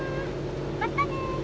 またね。